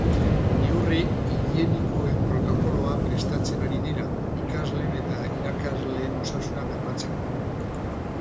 Neurri higienikoen protokoloa prestatzen ari dira, ikasleen eta irakasleen osasuna bermatzeko.